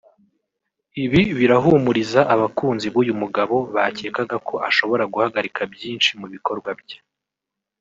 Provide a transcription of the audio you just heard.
Ibi birahumuriza abakunzi b’uyu mugabo bakekaga ko ashobora guhagarika byinshi mu bikorwa bye